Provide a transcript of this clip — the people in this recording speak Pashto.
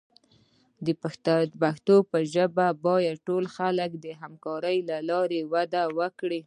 پښتو ژبه باید د ټولو خلکو د همکارۍ له لارې وده وکړي.